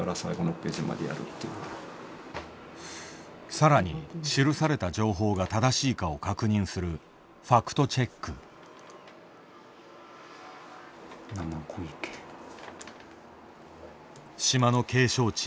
さらに記された情報が正しいかを確認する島の景勝地